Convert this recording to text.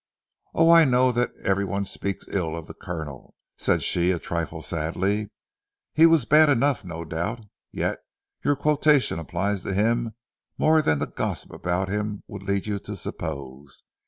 "Oh, I know that everyone speaks ill of the Colonel," said she a trifle sadly, "he was bad enough, no doubt. Yet, your quotation applies to him more than the gossip about him would lead you to suppose."